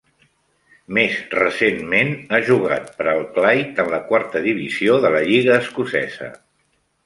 Més recentment, ha jugat per al Clyde en la quarta divisió de la lliga escocesa.